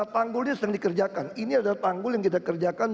tanggulnya sedang dikerjakan